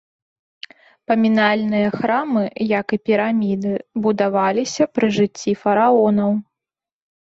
Памінальныя храмы, як і піраміды, будаваліся пры жыцці фараонаў.